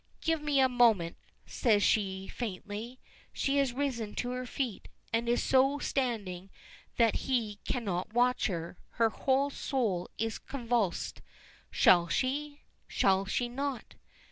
"Give me a moment," says she faintly. She has risen to her feet, and is so standing that he cannot watch her. Her whole soul is convulsed. Shall she? Shall she not?